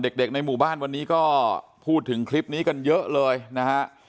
เด็กในหมู่บ้านวันนี้ก็พูดถึงคลิปนี้กันเยอะเลยนะฮะ